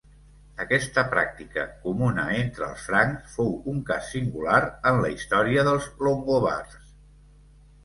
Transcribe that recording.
Aquesta pràctica, comuna entre els francs, fou un cas singular en la història dels longobards.